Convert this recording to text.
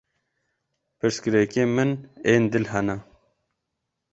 Pirsgirêkên min ên dil hene.